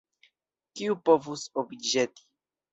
Kiu povus obĵeti?